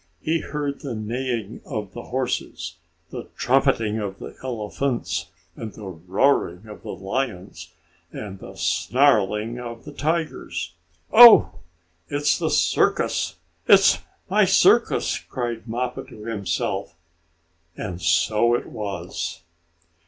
He heard the neighing of the horses, the trumpeting of the elephants, the roaring of the lions, and the snarling of the tigers. "Oh, it's the circus! It's my circus!" cried Mappo to himself, and so it was.